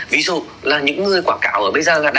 ví dụ là những người quảng cáo ở bây giờ